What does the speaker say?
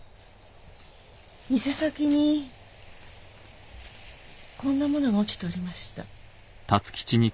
店先にこんなものが落ちておりました。